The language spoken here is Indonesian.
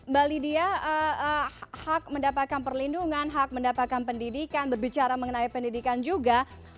mbak lydia hak mendapatkan perlindungan hak mendapatkan pendidikan berbicara mengenai pendidikan juga